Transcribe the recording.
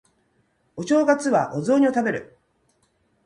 お正月はお雑煮を食べる